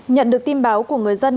nhận được tin báo của người dân